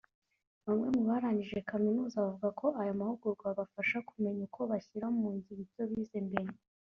Bamwe mu barangije kaminuza bavuga ko aya mahugurwa abafasha kumenya uko bashyira mu ngiro ibyo bize mbere